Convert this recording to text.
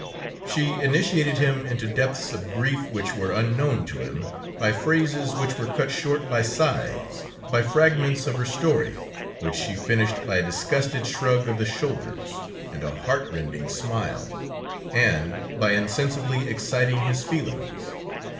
She initiated him into depths of grief which were unknown to him, by phrases which were cut short by sighs, by fragments of her story, which she finished by a disgusted shrug of the shoulders, and a heartrending smile, and by insensibly exciting his feelings.